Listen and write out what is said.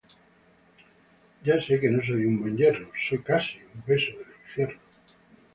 Ya sé que no soy un buen yerno, soy casi un beso del infierno